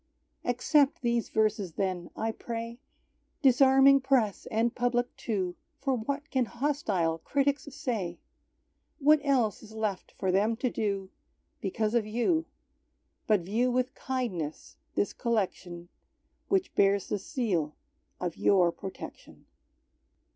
Accept these verses then, I pray, Disarming press and public too, For what can hostile critics say? What else is left for them to do, Because of You, But view with kindness this collection, Which bears the seal of Your protection?